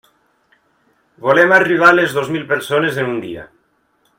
Volem arribar a les dos mil persones en un dia!